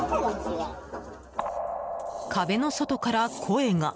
壁の外から声が。